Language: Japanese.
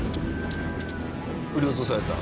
振り落とされた。